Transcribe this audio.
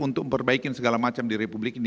untuk memperbaiki segala macam di republik ini